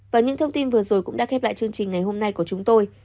và những thông tin vừa rồi cũng đã khép lại chương trình ngày hôm nay của chúng tôi